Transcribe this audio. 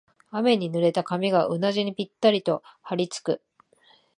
雨に濡れた髪がうなじにぴったりとはりつく